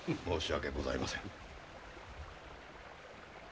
申し訳ございません。